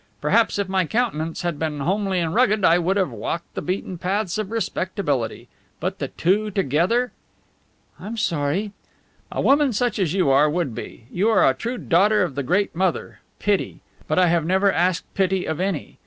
Perhaps if my countenance had been homely and rugged I would have walked the beaten paths of respectability. But the two together!" "I'm sorry!" "A woman such as you are would be. You are a true daughter of the great mother Pity. But I have never asked pity of any.